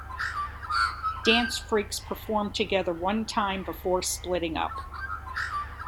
Dance Freaks performed together one time before splitting up.